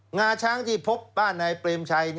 งาช้างที่พบบ้านนายเปรมชัย